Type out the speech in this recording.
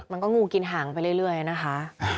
มันก็งูกินห่างไปเรื่อยนะคะ